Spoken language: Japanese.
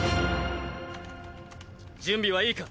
準備はいいか？